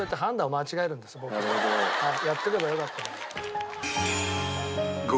やっとけばよかった。